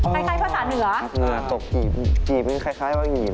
เหนือตกหยีบนี่คล้ายว่าเหงียบ